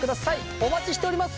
お待ちしております。